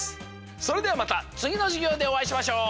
それではまたつぎのじゅぎょうでおあいしましょう！